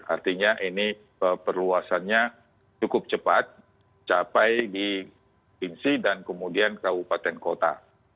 artinya ini perluasannya cukup cepat capai di binsi dan kemudian ke upaten kota